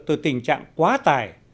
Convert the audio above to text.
từ tình trạng quá tài